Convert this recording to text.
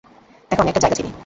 দেখো, আমি একটা জায়গা চিনি।